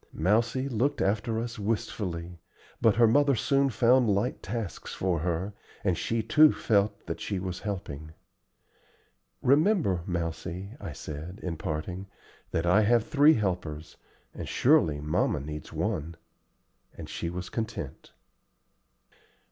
Mousie looked after us wistfully, but her mother soon found light tasks for her, and she too felt that she was helping. "Remember, Mousie," I said, in parting, "that I have three helpers, and surely mamma needs one;" and she was content.